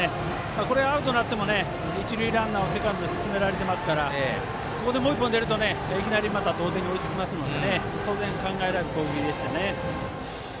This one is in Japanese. これアウトになっても一塁ランナーをセカンドに進められてますのでここで、もう１本出るといきなりまた同点に追いつきますので当然、考えられる攻撃ですよね。